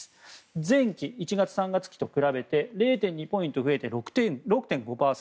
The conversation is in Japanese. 前期１ー３月期と比べて０．２ポイント増えて６．５％。